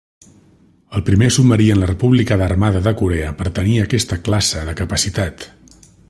El primer submarí en la República d'Armada de Corea per tenir aquesta classe de capacitat.